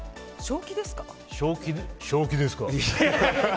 正気ですから！